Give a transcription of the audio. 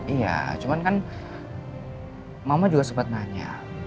iya cuman kan mama juga sempat nanya